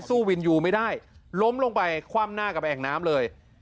วินยูไม่ได้ล้มลงไปคว่ำหน้ากับแอ่งน้ำเลย